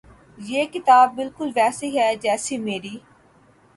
یہ کتاب بالکل ویسی ہے جیسی میری